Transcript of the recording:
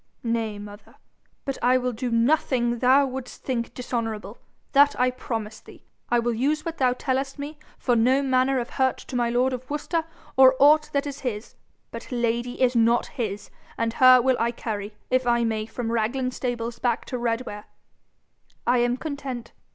'Nay, mother; but I will do nothing THOU wouldst think dishonourable that I promise thee. I will use what thou tellest me for no manner of hurt to my lord of Worcester or aught that is his. But Lady is not his, and her will I carry, if I may, from Raglan stables back to Redware.' 'I am content.